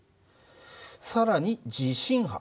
更に地震波。